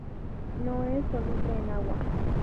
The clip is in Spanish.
No es soluble en agua.